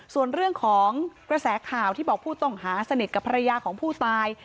ส่วนเรื่องของกระแสข่าวที่บอกผู้ต้องหาสนิทกับภรรยาของผู้ตาย